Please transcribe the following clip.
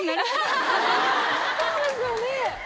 そうですよね！